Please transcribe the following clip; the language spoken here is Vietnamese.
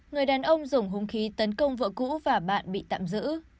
người đàn ông dùng hung khí tấn công vợ cũ và bạn bị tạm giữ